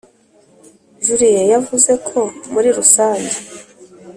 julie yavuze ko muri rusange